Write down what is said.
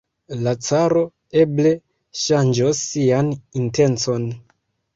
La caro eble ŝanĝos sian intencon.